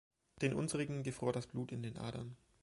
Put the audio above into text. Den Unsrigen gefror das Blut in den Adern.